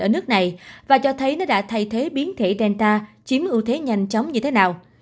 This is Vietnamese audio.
ở nước này và cho thấy nó đã thay thế biến thể genta chiếm ưu thế nhanh chóng như thế nào